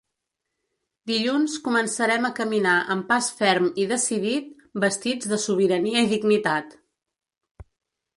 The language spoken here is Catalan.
Dilluns començarem a caminar amb pas ferm i decidit, vestits de sobirania i dignitat.